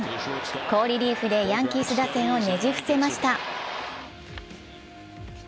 好リリーフでヤンキース打線をねじ伏せました。